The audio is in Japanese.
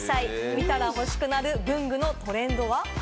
見たら欲しくなる文具のトレンドは？